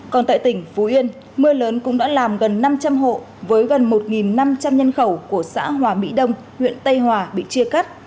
còn tại tỉnh phú yên mưa lớn cũng đã làm gần năm trăm linh hộ với gần một năm trăm linh nhân khẩu của xã hòa mỹ đông huyện tây hòa bị chia cắt